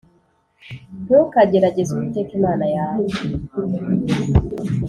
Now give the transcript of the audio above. Ntukagerageze Uwiteka Imana yawe